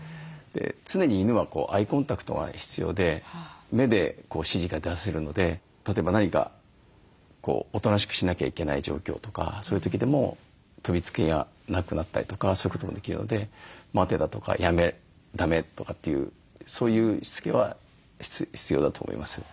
常に犬はアイコンタクトが必要で目で指示が出せるので例えば何かおとなしくしなきゃいけない状況とかそういう時でも飛びつきがなくなったりとかそういうこともできるので「待て」だとか「やめ」「だめ」とかっていうそういうしつけは必要だと思います。